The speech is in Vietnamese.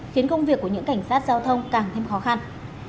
khiến công việc của những cảnh sát giao thông càng thêm khó khăn